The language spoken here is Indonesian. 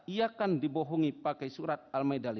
iakan dibohongi pakai surat al ma'idah lima puluh satu